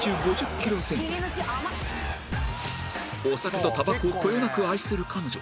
お酒とタバコをこよなく愛する彼女